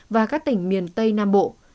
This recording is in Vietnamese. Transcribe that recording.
và các tỉnh miền tây nam bộ